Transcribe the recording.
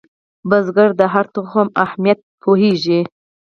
کروندګر د هر تخم اهمیت پوهیږي